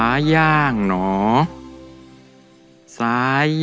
อาหารนี่มาซักไม่เจียบ